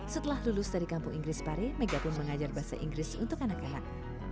setelah lulus dari kampung inggris pare mega pun mengajar bahasa inggris untuk anak anak